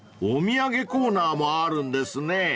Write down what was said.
［お土産コーナーもあるんですね］